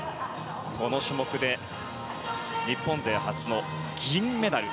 この種目で日本勢初の銀メダル。